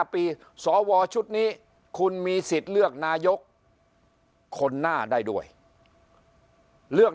ปีสวชุดนี้คุณมีสิทธิ์เลือกนายกคนหน้าได้ด้วยเลือก